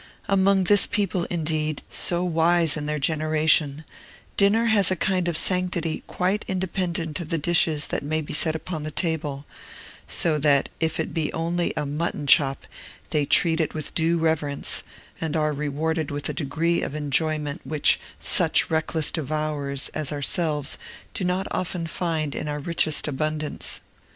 Among this people, indeed, so wise in their generation, dinner has a kind of sanctity quite independent of the dishes that may be set upon the table; so that, if it be only a mutton chop, they treat it with due reverence, and are rewarded with a degree of enjoyment which such reckless devourers as ourselves do not often find in our richest abundance.